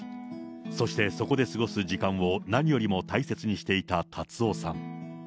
そして、そこで過ごす時間を何よりも大切にしていた辰夫さん。